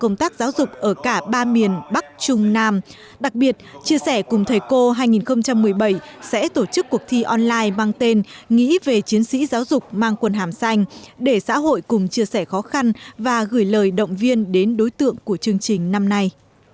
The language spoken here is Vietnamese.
những tổ chức cuộc thi online mang tên nghĩ về chiến sĩ giáo dục mang quần hàm xanh để xã hội cùng chia sẻ khó khăn và gửi lời động viên đến đối tượng của chương trình năm nay